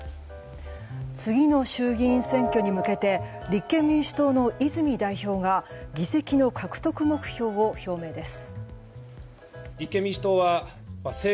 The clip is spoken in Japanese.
次の衆議院選挙に向けて立憲民主党の泉代表が議席の獲得目標を表明です。